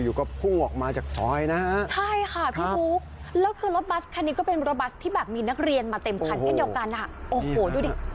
อยู่ก็พุ่งออกมาจากซอยนะฮะใช่ค่ะพี่บุ๊คแล้วคือรถบัสคันนี้ก็เป็นรถบัสที่แบบมีนักเรียนมาเต็มคันเช่นเดียวกันอ่ะโอ้โหดูดิ